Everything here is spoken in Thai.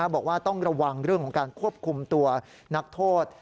บอกว่าต้องระวังเรื่องของการควบคุมตัวนักโทษ